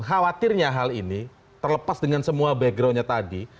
khawatirnya hal ini terlepas dengan semua backgroundnya tadi